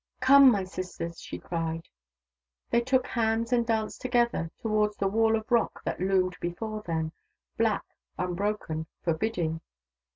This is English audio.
" Come, my sisters !" she cried. They took hands and danced together towards the wall of rock that loomed before them, black, unbroken, forbidding.